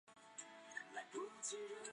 构建完成的卡组。